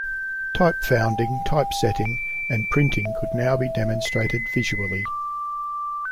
Type founding, typesetting and printing could now be demonstrated visually.